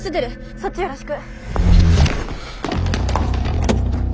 そっちよろしく！